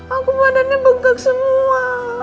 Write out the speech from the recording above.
aku badannya bengkak semua